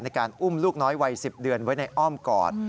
ในการอุ้มลูกน้อยวัย๑๐เดือนไว้ในอ้อมกอด